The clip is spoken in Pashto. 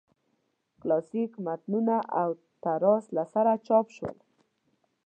کلاسیک متنونه او تراث له سره چاپ شول.